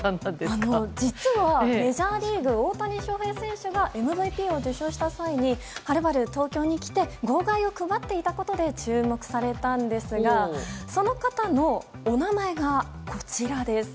実は、メジャーリーグ大谷翔平選手がＭＶＰを受賞した際にはるばる東京に来て号外を配っていたことで注目されたんですがその方のお名前がこちらです。